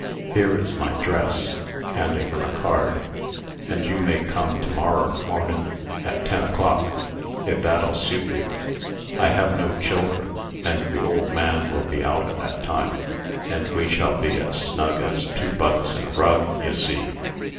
"Here is my 'dress" (handing her a card), "and you may come to morrer mornin', at ten o'clock, if that'll suit you. I have no children, and the old man will be out at that time, and we shall be as snug as two bugs in a rug, ye see."